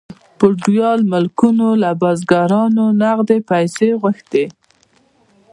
فیوډال مالکانو له بزګرانو نغدې پیسې غوښتلې.